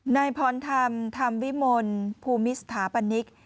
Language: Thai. ในภรทรรมธรรมวิมนต์ภูมิสถาปณิก